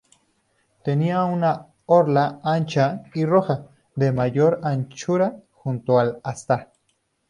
Tenía una orla ancha y roja, de mayor anchura junto al asta.